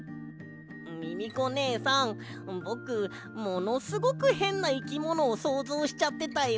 ミミコねえさんぼくものすごくへんないきものをそうぞうしちゃってたよ。